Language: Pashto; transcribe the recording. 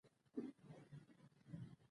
زما د زړه سره زما د سترګو توره ته یې.